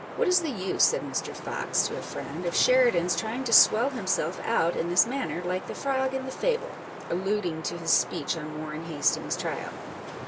" What is the use," said Mr. Fox to a friend, " of Sheridan's trying to swell himself out in this manner, like the frog in the fable ?" â€" alluding to his speech on Warren Hastings's trial.